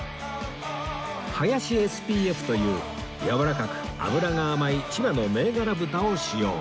林 ＳＰＦ というやわらかく脂が甘い千葉の銘柄豚を使用